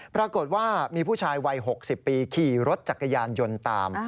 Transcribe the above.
ปรากฏว่ามีผู้ชายวัย๖๐ปีขี่รถจักรยานยนต์ตาม